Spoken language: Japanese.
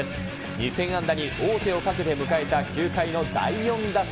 ２０００安打に王手をかけて迎えた９回の第４打席。